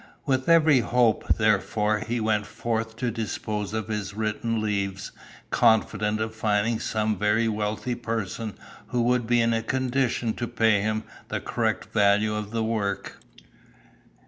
With every hope, therefore, he went forth to dispose of his written leaves, confident of finding some very wealthy person who would be in a condition to pay him the correct value of the work.